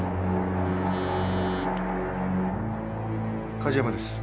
梶山です。